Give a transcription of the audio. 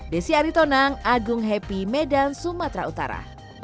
desi aritonang agung happy medan sumatera utara